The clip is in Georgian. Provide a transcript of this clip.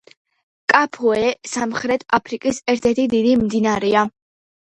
კაფუე სამხრეთ აფრიკის ერთ-ერთი დიდი მდინარეა.